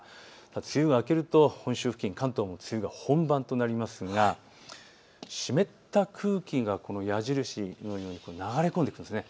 梅雨が明けると本州付近、関東の梅雨が本番となりますが湿った空気が矢印のように流れ込んでくるんです。